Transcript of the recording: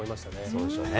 そうでしょうね。